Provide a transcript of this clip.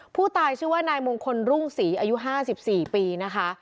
ผู้ตายชื่อว่านายมงคลรุ่งศรีอายุ๕๔ปีนะคะ